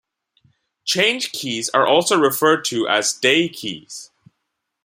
Change keys are also referred to as day keys.